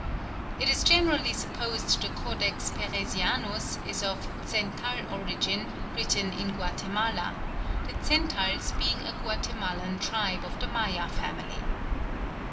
It is generally supposed the Codex Peresianus is of Tzental origin written in Guatemala, the Tzentals being a Guatemalan tribe of the Maya family.